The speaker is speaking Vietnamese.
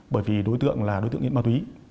bởi vì đối tượng là đối tượng nghiện ma túy